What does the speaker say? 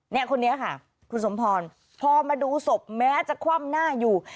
เนี่ยคนนี้ค่ะคุณสมพรพอมาดูศพแม้จะคว่ำหน้าอยู่